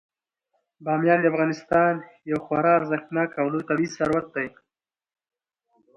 بامیان د افغانستان یو خورا ارزښتناک او لوی طبعي ثروت دی.